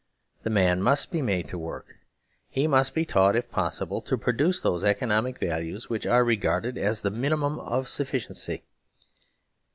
The man must bemadeto work. Hemust betaught, if pos sible, to produce those economic values, which are re garded as the minimum of sufficiency.